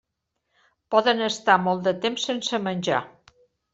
Poden estar molt de temps sense menjar.